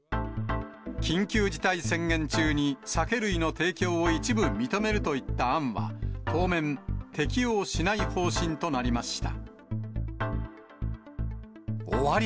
緊急事態宣言中に酒類の提供を一部認めるといった案は、当面、適用しない方針となりました。